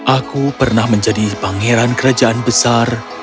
aku pernah menjadi pangeran kerajaan besar